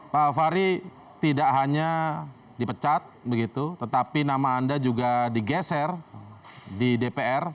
pak fahri tidak hanya dipecat begitu tetapi nama anda juga digeser di dpr